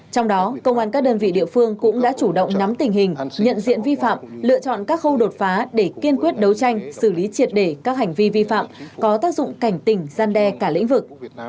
trong đó công an các đơn vị địa phương cũng đã chủ động nắm tình hình nhận diện vi phạm lựa chọn các khâu đột phá để kiên quyết đấu tranh xử lý triệt để các hành vi vi phạm có tác dụng cảnh tỉnh gian đe cả lĩnh vực